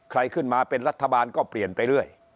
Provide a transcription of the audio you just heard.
ใครขึ้นมาเป็นรัฐบาลก็เปลี่ยนไปเรื่อย